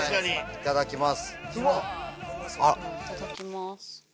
いただきます。